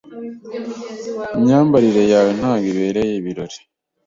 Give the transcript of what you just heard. Imyambarire yawe ntabwo ibereye ibirori.